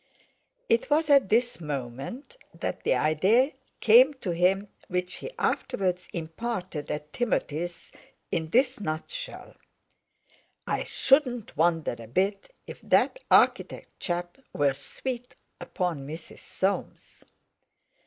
It was at this moment that the idea came to him which he afterwards imparted at Timothy's in this nutshell: "I shouldn't wonder a bit if that architect chap were sweet upon Mrs. Soames!"